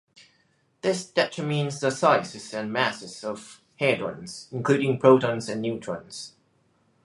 This determines the sizes and masses of hadrons, including protons and neutrons.